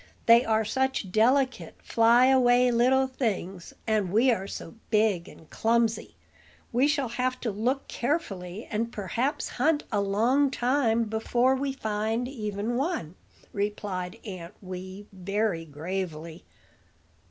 They are such delicate, fly away little things, and we are so big and clumsy, we shall have to look carefully, and perhaps hunt a long time before we find even one," replied Aunt Wee, very gravely.